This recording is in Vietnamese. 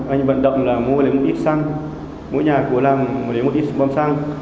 anh vận động là mua lấy một ít xăng mua nhà của làm lấy một ít bom xăng